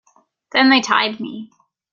Then they tied me.